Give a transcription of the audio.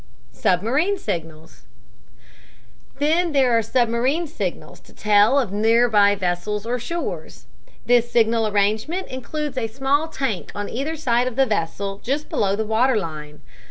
SUBMARINE SIGNALS Then there are submarine signals to tell of near by vessels or shores. This signal arrangement includes a small tank on either side of the vessel, just below the water line.